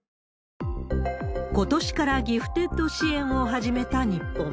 ことしからギフテッド支援を始めた日本。